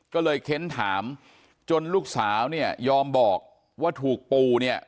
ก็เลยเค้นถามจนลูกสาวเนี่ยยอมบอกว่าถูกปู่เนี่ย